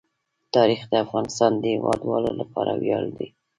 تاریخ د افغانستان د هیوادوالو لپاره ویاړ دی.